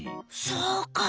そうか。